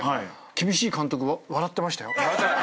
厳しい監督笑ってましたよ。